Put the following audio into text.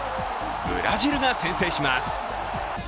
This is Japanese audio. ブラジルが先制します。